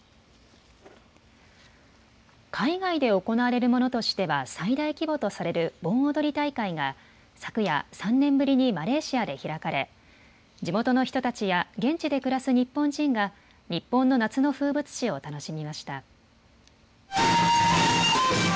海外で行われるものとしては最大規模とされる盆踊り大会が昨夜、３年ぶりにマレーシアで開かれ地元の人たちや現地で暮らす日本人が日本の夏の風物詩を楽しみました。